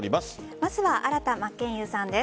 まずは新田真剣佑さんです。